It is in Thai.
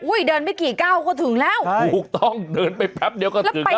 เดินไม่กี่ก้าวก็ถึงแล้วถูกต้องเดินไปแป๊บเดียวก็ถึงแล้ว